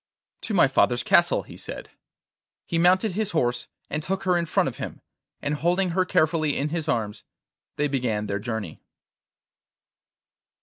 'To my father's castle,' he said. He mounted his horse and took her in front of him, and, holding her carefully in his arms, they began their journey.